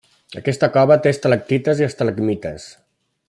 Aquesta cova té estalactites i estalagmites.